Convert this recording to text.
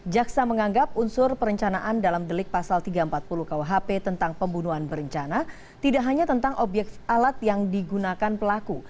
jaksa menganggap unsur perencanaan dalam delik pasal tiga ratus empat puluh kuhp tentang pembunuhan berencana tidak hanya tentang obyek alat yang digunakan pelaku